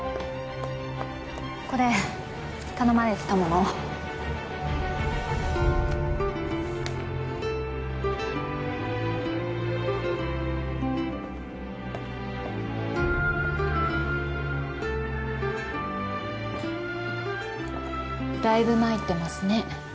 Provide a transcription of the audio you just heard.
これ頼まれてたものだいぶ参ってますね